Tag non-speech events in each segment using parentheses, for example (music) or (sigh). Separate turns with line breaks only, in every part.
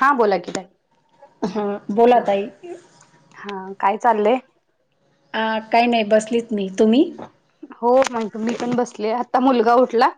हा... बोला की ताई
हा... बोला
हा
ताई
हा.. काय चाललंय?
आ... काय नई... बसलीत मी... तुम्ही?
हो... म्ह... मी पण पण बसली, आत्ता मुलगा उठला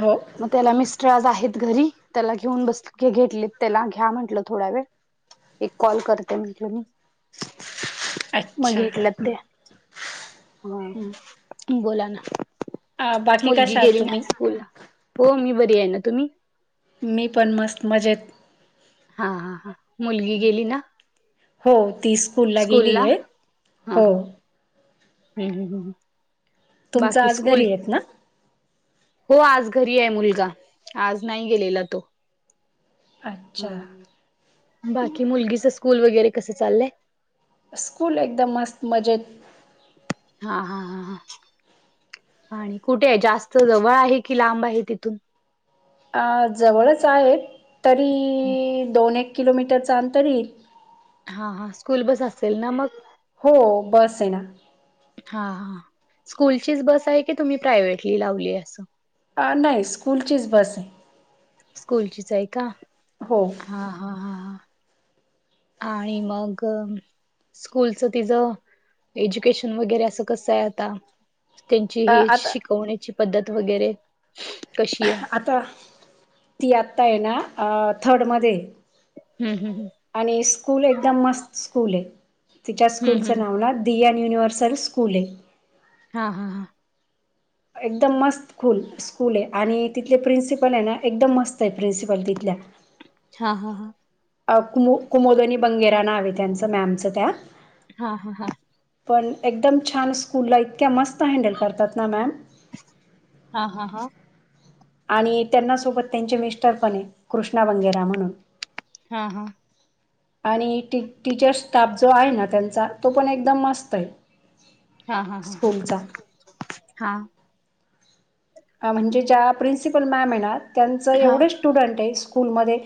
हो
मग त्याला... मिस्टर आज आहेत घरी... त्याला घेऊन बस... घेतलेत... त्याला घ्या म्हंटलं... थोडा वेळ एक कॉल करते म्हटलं मी मग
अच्छा
घेतलंत ते... हं बोला ना...
अ बाकी
मुलगी
कशा आहात
गेली ना
तुम्ही
स्कूलला... हो मी बरीए ना... तुम्ही?
मी पण... मस्त मजेत
हा, हा, हा... मुलगी गेली ना
हो... ती स्कूलला... गेलीये...
हा
हो
हम्म... हूंहूंहूं
तुमचं आज घरी हेत ना?
हो... आज घरी ए मुलगा... आज नाही गेलेला तो
अच्छा
बाकी... मुलगीचं स्कूल वगैरे... कसं चाललंय
स्कुल... एकदम मस्त... मजेत
हाहा... हा हा आणि कुठे ए? जास्त जवळ आहे कि लांब आहे तिथून?
जवळच आहे... तरी... दोन एक किलोमीटरचं अंतर येईल
हा हा... स्कूल बस असेल ना मग
हो... बस हे ना
हा हा... स्कूलचीच बस हाये की... तुम्ही प्रायव्हेटली लावली असं
अ... नाई... स्कूलचीच बस ए
स्कूलचीच ए का
हो
आ... हा... हाहा आणि मग स्कूलचं तिचं... एज्युकेशन वगैरे असं... कसं ए आता? त्यांची ही...
आता
शिकवण्याची पद्धत वगैरे... कशी ए?
आता... ती आत्ता ए ना... आ... थर्ड मध्ये ए
हूं... हूं... हूं
आणी स्कूल... एकदम मस्त स्कूल ए... तिच्या
हम्म हम्म
स्कूलचं
हम्म.
नाव ना दियान युनिवर्सल स्कूल ये.
हा-ह-हा.
एकदम मस्त. कुल स्कूल ये आणि तिथले प्रिन्सिपल हाय ना, एकदम मस्तयं प्रिन्सिपल तिथल्या
हा-हा-हा.
अ कुमू कुमोदनी बंगेरा नाव ए त्यांचं मॅमचं त्या
हा-ह-हा.
पण एकदम छान, स्कूलला इतक्या मस्त हँडल करतात ना मॅम.
हा-हा-हा.
आणि त्यांना सोबत त्यांचे मिस्टर पनयेत कृष्णा बंगेरा म्हणून
हा-हा.
(inaudible) आणी टी टीचर स्टाफ जो आहे, ना त्यांचा तो पण एकदम मस्तयं
हा-हा-हा-ह हा.
अ म्हणजे ज्या प्रिन्सिपल मॅमए ना, त्यांचं
हा हा.
एवढं स्टुडंट हाय स्कूलमध्ये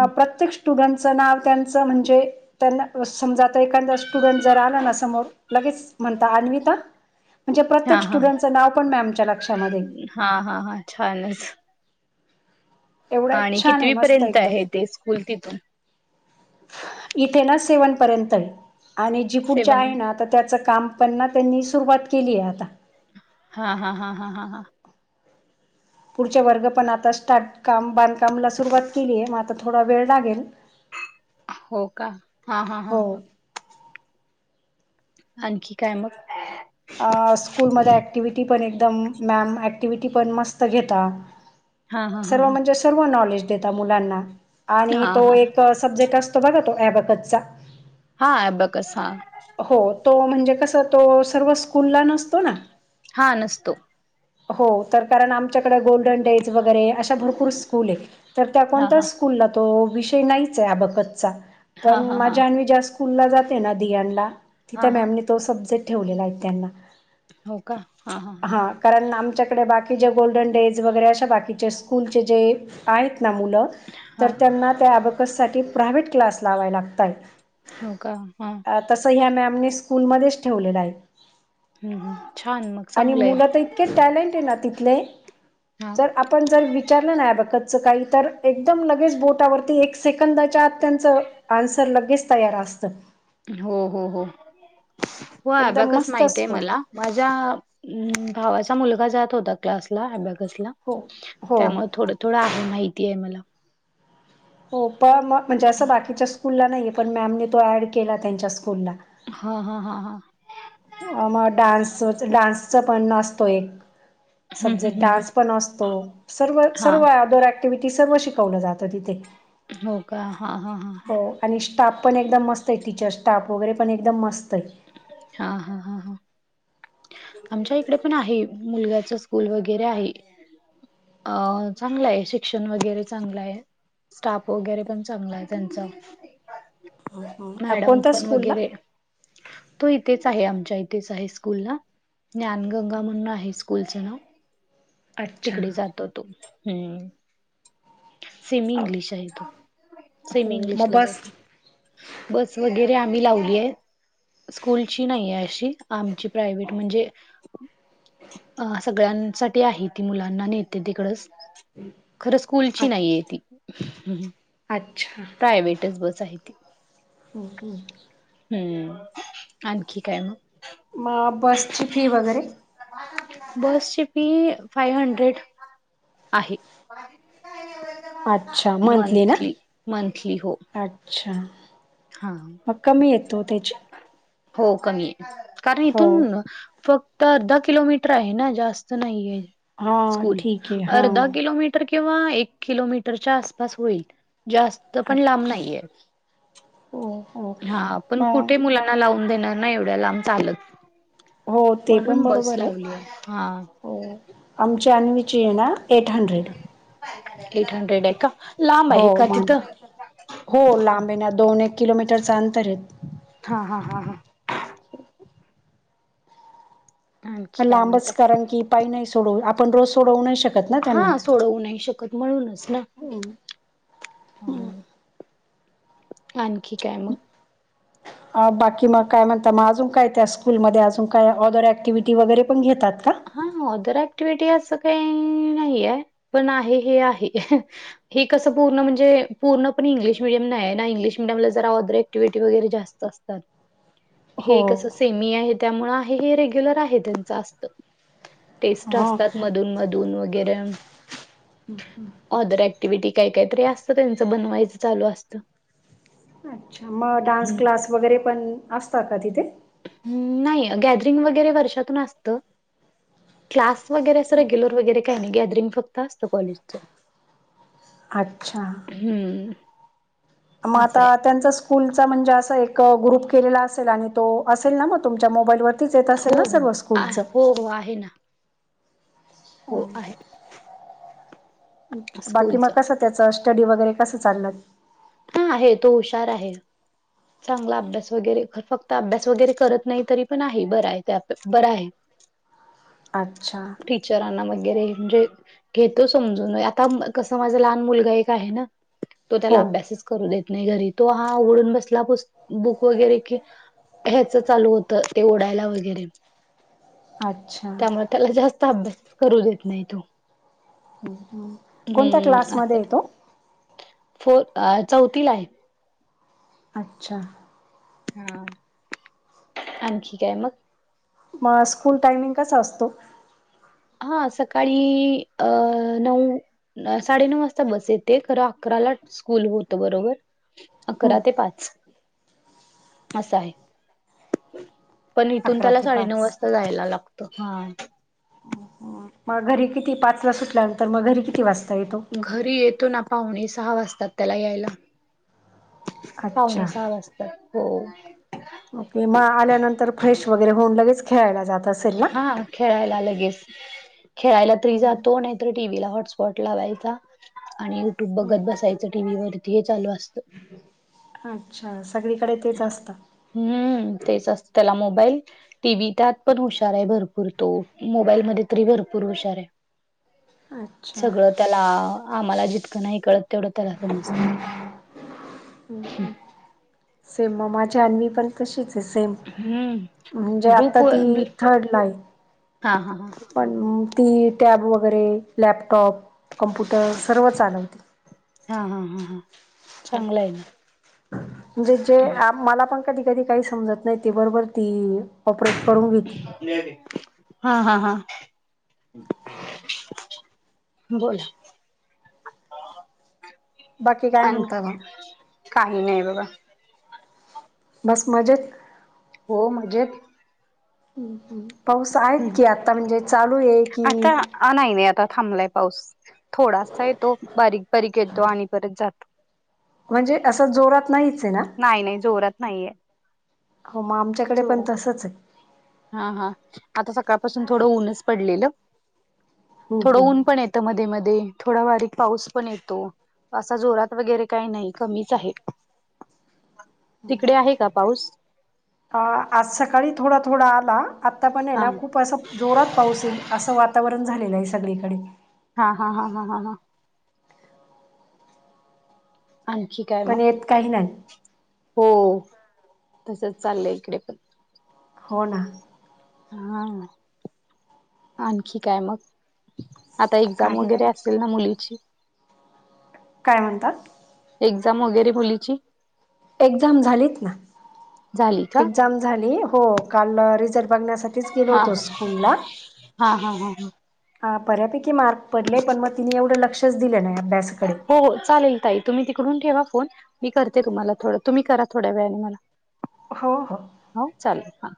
हम्म.
प्रत्येक स्टुडंटचं नाव त्यांचं म्हणजे त्यांना अ समजा आता एखांदा स्टुडंट जर आला ना, समोर लगेच म्हणता आणवीता म्हणजे प्रत्येक
हा
स्टुडंटचं नाव पण मॅमच्या लक्षामध्ये
हा-हा-हा छानच.
एवढं
आणि
छान आहे
कितवी
मस्त
पर्यंत
एकदम
आहे ते स्कूल तिथून
इथे ना सेवन पर्यंतय आणि जी पुढच्या
सेवन
आहे ना तर त्याचं काम पण ना त्यांनी सुरुवात केली आहे आता
हा-हा-हा-हा-हा-हा.
पुढचे वर्ग पण आता स्टार्ट काम बांधकामला सुरुवात केलीय, म आता थोडा वेळ लागेल.
हो का हा-हा-हा.
हो
आणखी काय मग?
अ स्कूलमध्ये ऍक्टिव्हटी पण एकदम मॅम, ऍक्टिव्हटी पण मस्त घेता.
हा हा हा
सर्व
हा
म्हणजे सर्व नॉलेज देता मुलांना आणि
हा
तो
हा
एक सबजेक्ट अस- तो बघा तो ॲबॅकसचा
हा ॲबॅकस हां.
हो तो म्हणजे कस तो सर्व स्कूलला नसतो ना.
हा नसतो.
हो तर, कारण आमच्याकडे गोल्डन डेज वगरे- त भरपुर स्कुल ए, तर त्या
हा हा
कोणत्याच स्कूलला तो विषय नाईचए ॲबॅकचा
हा
पण
हा हा
माझीअन्वी ज्या स्कूल ला जाते ना, दियान ला
हा
तिथे
हा
मॅमनी तो सब्जेक्ट ठेवलेला आहे. त्यांना-
हो का हा-हा-हा.
हां कारण आमच्याकडे बाकी जे गोल्डन डेज वगैरे, अशा बाकीचे स्कूलचे जे आहेत ना मुलं-
हा
तर त्यांना त्या अबॅकस साठी प्रायव्हेट क्लास लावाय लागताय.
हो का हा.
अ तसं ह्या मॅमने स्कूलमध्येच ठेवलेलं आहे.
हू हू. छान मग.
आणि
चांगलंय
मुलं तर इतके टॅलेंट आहे ना, तिथले
हा.
तर आपण जर विचारलंना ॲबॅकच् काही तर, एकदम लगेच बोटावरती एक सेकंदाच्या आत त्यांच आन्सर लगेच तयार असतं.
हो हो हो. हो
एकदम
अबॅकस
मस्त
माहीती आहे
स्कूल
मला माझ्या भावाचा मुलगा जात होता. क्लासला अबॅकसला.
हो हो
त्यामुळे थोडं थोडं आहे माहिती ए मला
हो पण म म्हणजे असं बाकीच्या स्कूलला नाहीये, पण मॅमने तो ऍड केला त्यांच्या स्कूलला
हा हा हा हा
अ मग डान्स डान्सच पण नसतो एक
हम्म हम्म
सब्जेक्ट
हम्म
डान्स पण असतो सर्व
हा
सर्वदो ी सर्व शिकवलं जातं तिथे
हो का हा हा हां
हो आणि स्टाफ पण एकदम मस्त आहे टीचर स्टाफ वगैरे पण एकदम मस्त आहे
हा हा हा हा आमच्या इकडे पण आहे मुलग्याच स्कूल वगैरे आहे अ चांगलं आहे शिक्षण वगैरे चांगलं आहे स्टाफ वगैरे पण चांगला आहे त्यांचा
आहे
मॅडम
कोणत्या
पण
स्कूलला
वगैरे तो इथेच आहे आमच्या इथेच आहे स्कूलला ज्ञान गंगा म्हणण आहे स्कूलचं नाव
अच्छा
तिकडे जातो तू हम्म सेमी इंग्लिश आहे तो सेमी
हो मग
इंग्लिशला
बस
जातो बस वगैरे आम्ही लावली आहे स्कूलची नाही आहे अशी आमची प्रायवेट म्हणजे अ सगळ्यांसाठी आहेत मुलांना नेते तिकडच खरं स्कूलची नाहीये
अच्छा
ती
अच्छा
प्रायवे्टच बस आहे त
ह
हम्म आणखी काय मग
मग बसची फी वगैरे
बस ची फी फाइव हंड्रेड आहे
अच्छा ना
मंथली मंथली हो
अच्छा
हा
क् कमी येतो त्याची
हो कमी आहे कारण
हो
इथून फक्त अर्धा किलोमीटर आहे ना जास्त नाही आहे
हां
स्कूल
ठीक आहे हां
अर्धा किलोमीटर किंवा एक किलोमीटर च्या आस पास होईल जास्त पण लांब
अच्छा
नाहीये
हो हो
हा पण
म
कुठे मुलांना लावून देणार नाही एवढ्या लांम्ब चालत
हो ते पण
म्हणून बस
बरोबर आहे
लावली हा
हो आमची आणवीची आहे ना एट हंड्रेड
एट हंड्रेड आहे का लांब
हो
आहे का
मान
तिथं
हो
हा
लांबी ना दोन एक किलोमीटरच अंतर आहे
हा हा हां हा आणखी काय
लांबच
म्हणताय
कारण की पाय नाही सोडवू आपण रोज सोडवू नाही शकतो
हा सोडवू नाही शकत म्हळूनच ना ह आणखी काय मग
बाकी मग काय म्हणत मग अजून काय त्या स्कूलमध्ये अजून काय ऑदर ॲक्टिव्हिटी वगैरे पण घेतात का?
हा ऑदर ॲक्टिव्हटी असं काही नाही आहे. पण आहे हे आहे. हे कसं पूणजे पूर्ण इंग्िश मिडय नाही ना इंगलिश मिडियमला जरा अदर ऍक्टिव्हटी वगैरे जास् असतात हे
हो
कसं सेमी आहे त्यामुळ आहे हे रेग्युलर आहे त्यांच असत टेस्ट
हां
असतात मधून मधून वगैरे
हं हं
ऑदर ऍक्टिव्हटी काही काहीतरी असतं. त्यांचं बनवायचं चालू असतं.
अच्छा मग डान्स क्लास वगैरे पण असता का तिथे?
नाही गॅदरिंग वगैरे वर्षातून असतं. क्लास वगैरे असं रेग्युलर वगैरे काही नाही गॅदरिंग फक्त असतं. कॉलेजचं....
अच्छा...
हं.....
मग आता त्यांचा... स्कूलचा म्हणजे असं एक ग्रुप केलेला असेल आणि तो असेल ना मग तुमच्या मोबाईलवर..... तेच येत असेल
हो
ना
हो
सर्व
आ-
स्कुलचं....
हो आहे ना..... हो आहे
बाकी मग
स्कूलचा
कस.... त्याचं स्टडी वगैरे कसं चालय?
हा आहे तो हुशार आहे... चांगला अभ्यास वगैरे फक्त अभ्यास वगैरे करत नाही तरी पण आहे बरा आहे ते बरं आहे....
अच्छा....
टीचरांना वगैरे म्हणजे.... घेतो समजून आता कस माझा लहान मुलगा एक आहे ना तो त्याला
हो
अभ्यासच.... करू देत नाही घरी तो हा उघडून बसला बुक वगैरे कि..... ह्याच चालू होतं ते ओडायला वगैरे....
अच्छा.....
त्यामुळे त्याला जास्त अभ्यास करू देत नाही तो....
कोणत्या
हम्म
क्लासमध्ये
असं
तो?
फोर चौथीला आहे.....
अच्छा.....
हा आणखी काय मग?
मग स्कूल टायमिंग कसा असतो?
हा सकाळी अ नऊ..... साडेनऊ वाजता बस येते खरं अकराला स्कूल होत बरोबर..... अकरा ते पाच असं आहे... पण इथून
अकरा
त्याला
ते
साडेनऊ
पाच
वाजता जायला लागतं हा.....
मग घरी किती पाच वाजता सुटल्यानंतर मग घरी किती वाजता येतो?
घरी येतो ना पाहुणे सहा वाजतात त्याला यायला.... पावणे
अच्छा
सहा वाजतात हो....
ओके मग आल्यानंतर फ्रेश वगैरे होऊन लगेच खेळायला जात असेल ना....
हा खेळायला लगेच खेळायला तरी जातो नाही.... तर टीव्हीला हॉटस्पॉट लावायचा आणि युट्यूब बघत बसायच टीव्ही वरती हे चालू असतं...
अच्छा सगळीकडे तेच असतं....
हं तेच असतं त्याला मोबाईल.... टी व्ही त्यात पण हुशार आहे भरपूर तो मोबाईल मध्ये तरी भरपूर हुशार आहे....
अच्छा
सगळं त्याला आम्हाला जितकं नाही कळत..... तेवढं त्याला समजत ह.....
असे ममाच्या आण्वी पण.... तशीच आहे सेम
हम्म
म्हणजे आता
ग्रुप व
ती थर्ड ला आहे.
हा हा हा
पण ती टॅब वगैरे लॅपटॉप कम्प्युटर सर्व चालवती.
हा हा हा हा चांगलं आहे ना...
जिचे मला पण कधी कधी काही समजत नाही ते बरोबर ती.... ऑपरेट करून घेते....
हा हा हा.... बोला....
(unintelligible) बाकी काय
आण
म्हणता मग
काही नाही बाबा...
बस मजेत...
हो म्हणजे
पाऊस आहेत कि आता म्हणजे चालू आहे की
हा नाही नाही आता थांबलाय पाऊस. थोडासा येतो बारीक बारीक येतो आणि परत जातो
म्हणजे असं जोरात नाहीचय ना.
नाही नाही जोरात नाहीये
हो मग आमच्याकडे पण
जोरात
तसंच आहे.
हा हा आता सकाळपासून थोडं ऊनच पडलेलं.
हम्म
थोडं
हम्म
ऊन पण येतं मध्ये मध्ये थोडा बारीक पाऊस पण येतो. असा जोरात वगैरे काही नाही कमीच आहे.
(inaudible)
तिकडे आहे का पाऊस?
अ आज सकाळी थोडा थोडा आला आता पण आहे
हा
ना खूप असं जोरात पाऊस येईल असं वातावरण झालेलं आहे सगळीकडे.
हा हा हा हा हा हां आणखी काय मग?
पण येत काही नाही
हो तसच चाललंय इकडे पण.
हो ना.
हा आणखी काय मग आता एक्झाम
काही
वगैरे
नाही
असते असेल ना मुलीची.
काय म्हणतात?
एक्झाम वगैरे मुलीची.
एक्झाम झाली.
झाली. का
एक्झाम झाली हो काल रिझल्ट बघण्यासाठीच गेलो
हा
होतो
हा
स्कूल ला.
हा हा हा हां
हा बऱ्यापैकी मार्क पडले पण मग तिने एवढं लक्षच दिलं नाही अभ्यासाकडे.
हो चालेल ताई तुम्ही तिकडून ठेवा फोन. मी करते तुम्हाला थोडं तुम्ही करा थोड्या वेळाने मला.
हो हो
हो चालेल हां.